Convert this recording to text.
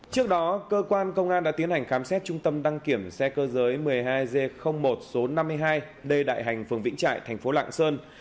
trước đó cơ quan công an đã tiến hành khám xét trung tâm đăng kiểm xe cơ giới một mươi hai g một số năm mươi hai đê đại hành phường vĩnh trại thành phố lạng sơn